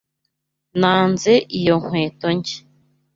Nanze izo nkweto nshya.